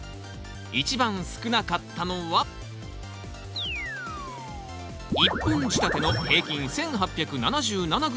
一番少なかったのは１本仕立ての平均１，８７７ｇ。